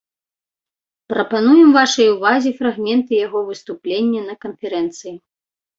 Пра пануем вашай увазе фрагменты яго выступлення на канферэнцыі.